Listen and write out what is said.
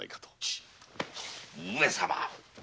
上様！